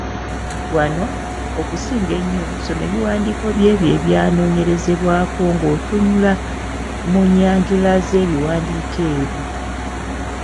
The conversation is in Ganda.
Wano, okusinga ennyo, soma ebiwandiiko by'ebyo ebyanoonyerezebwako ng’otunula mu nnyanjula z’ebiwandiiko ebyo.